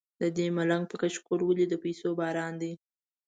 ددې ملنګ په کچکول ولې د پیسو باران دی.